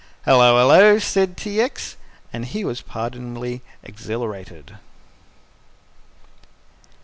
"Hello, hello!" said T. X., and he was pardonably exhilarated.